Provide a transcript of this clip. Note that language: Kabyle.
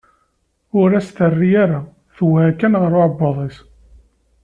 Ur as-terri ara, twehha kan ɣer uɛebbuḍ-is.